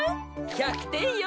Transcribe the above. １００てんよ。